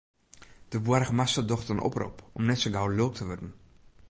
De boargemaster docht in oprop om net sa gau lulk te wurden.